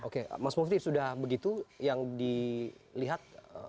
oke mas mufti sudah begitu yang dilihat